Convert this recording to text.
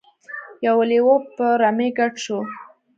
یو لیوه په رمې ګډ شو.